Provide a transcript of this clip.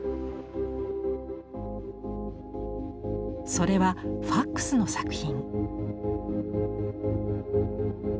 それはファックスの作品。